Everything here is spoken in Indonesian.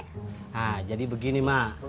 nah jadi begini mbak